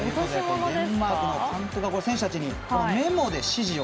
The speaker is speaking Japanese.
デンマークの監督が選手たちにメモで指示を。